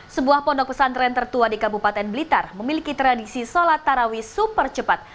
sebuah pondok pesantren tertua di kabupaten blitar memiliki tradisi sholat tarawih super cepat